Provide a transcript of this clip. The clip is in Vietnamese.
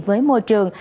với môi trường